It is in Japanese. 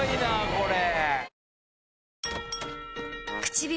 これ。